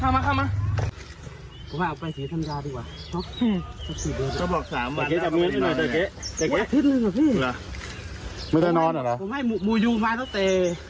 มันถ่าไปไงเป็นสิหรอไม่ได้นอนเหรอผมให้มูวูมาตั้งแต่